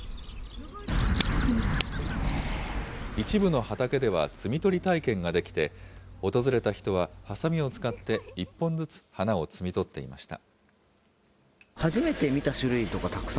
一部の畑では摘み取り体験ができて、訪れた人ははさみを使って、１本ずつ花を摘み取っていました。